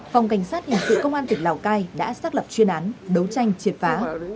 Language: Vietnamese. phòng cảnh sát hình sự công an tỉnh lào cai đã xác lập chuyên án đấu tranh triệt phá